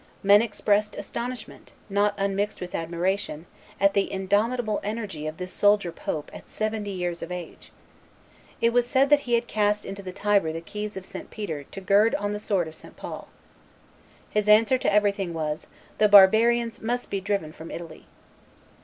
Men expressed astonishment, not unmixed with admiration, at the indomitable energy of this soldier pope at seventy years of age. It was said that he had cast into the Tiber the keys of St. Peter to gird on the sword of St. Paul. His answer to everything was, "The barbarians must be driven from Italy."